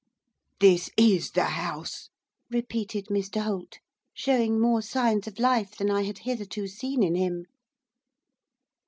'This is the house!' repeated Mr Holt, showing more signs of life than I had hitherto seen in him.